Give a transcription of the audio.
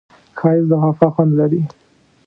ښایست د وفا خوند لري